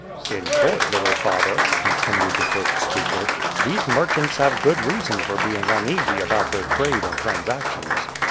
"In short, little father," continued the first speaker, "these merchants have good reason for being uneasy about their trade and transactions.